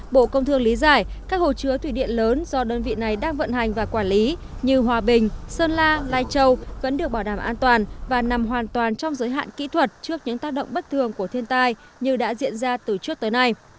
bộ công thương lý giải các hồ chứa thủy điện lớn do đơn vị này đang vận hành và quản lý như hòa bình sơn la lai châu vẫn được bảo đảm an toàn và nằm hoàn toàn trong giới hạn kỹ thuật trước những tác động bất thường của thiên tai như đã diễn ra từ trước tới nay